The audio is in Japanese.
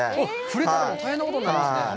触れたら大変なことになりますね！